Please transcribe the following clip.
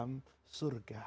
itu pasti akan masuk neraka